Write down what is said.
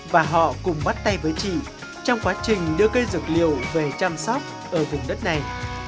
và họ cùng bắt tay với chị trong quá trình đưa cây dược liệu về chăm sóc ở vùng đất này